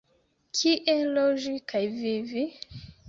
Kie loĝi kaj vivi?